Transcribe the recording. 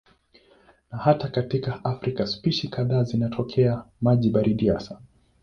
Na hata katika Afrika spishi kadhaa zinatokea maji baridi hasa.